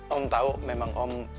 om tau memang om